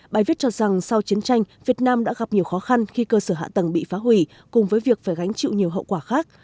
bài viết cho rằng sau chiến tranh việt nam đã gặp nhiều khó khăn khi cơ sở hạ tầng bị phá hủy cùng với việc phải gánh chịu nhiều hậu quả khác